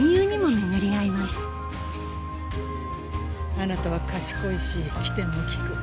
あなたは賢いし機転も利く。